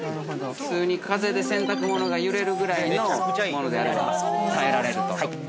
◆普通に風で洗濯物が揺れるぐらいのものであれば耐えられると。